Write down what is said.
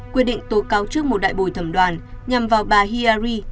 quyết định tố cáo trước một đại bồi thẩm đoàn nhằm vào bà hiyari